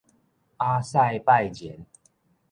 亞塞拜然